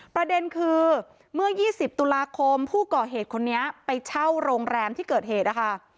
ประเด็นคือเมื่อ๒๐ตุลาคมผู้ก่อเหตุคนนี้ไปเช่าโรงแรมที่เกิดเหตุนะคะ